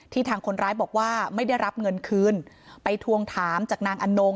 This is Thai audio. ทางคนร้ายบอกว่าไม่ได้รับเงินคืนไปทวงถามจากนางอนง